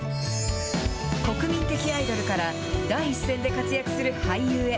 国民的アイドルから、第一線で活躍する俳優へ。